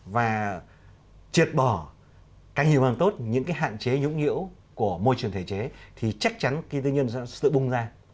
và triệt bỏ càng nhiều càng tốt những cái hạn chế nhũng nhũ của môi trường thể chế thì chắc chắn kinh doanh tư nhân sẽ bùng ra